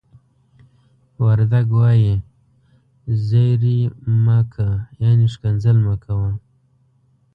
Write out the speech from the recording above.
وردگ وايي: "زيَړِ مَ کَ." يعنې ښکنځل مه کوه.